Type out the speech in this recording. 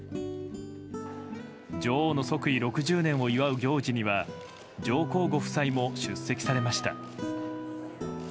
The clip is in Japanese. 女王の即位６０年を祝う行事には上皇ご夫妻も出席されました。